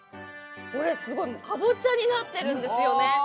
これすごいかぼちゃになってるんですよねああ